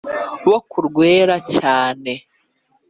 bo ku rwera cyane